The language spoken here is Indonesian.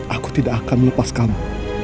aku tidak akan melepas kamu